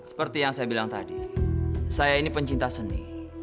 seperti yang saya bilang tadi saya ini pencinta seni